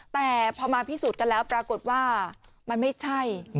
แต่พอมาพิสูจน์กันแล้วปรากฏว่ามันไม่ใช่